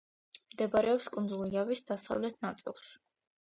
მდებარეობს კუნძულ იავის დასავლეთ ნაწილში.